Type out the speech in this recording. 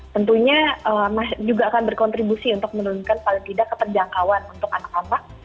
tentunya juga akan berkontribusi untuk menurunkan paling tidak keterjangkauan untuk anak anak